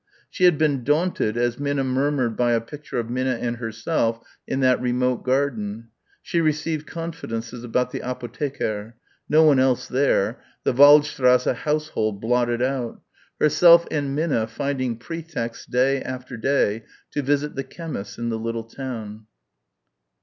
She had been daunted as Minna murmured by a picture of Minna and herself in that remote garden she receiving confidences about the apotheker no one else there the Waldstrasse household blotted out herself and Minna finding pretexts day after day to visit the chemist's in the little town.